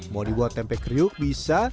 mau dibuat tempe kriuk bisa